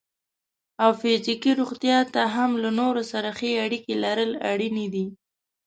او فزیکي روغتیا ته هم له نورو سره ښې اړیکې لرل اړینې دي.